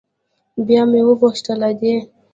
بيا مې وپوښتل ادې.